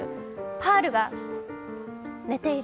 パールが寝ている。